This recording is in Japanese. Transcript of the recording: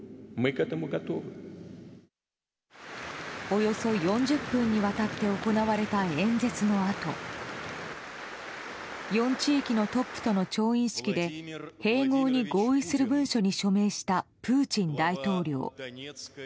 およそ４０分にわたって行われた演説のあと４地域のトップとの調印式で併合に合意する文書に署名したプーチン大統領。